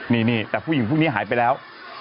นี่แต่ผู้หญิงพวกนี้หายไปแล้ว